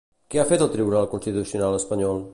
Què ha fet el Tribunal Constitucional espanyol?